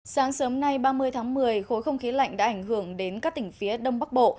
sáng sớm nay ba mươi tháng một mươi khối không khí lạnh đã ảnh hưởng đến các tỉnh phía đông bắc bộ